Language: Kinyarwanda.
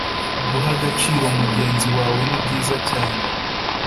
guha agaciro mugenzi wawe nibyiza cyane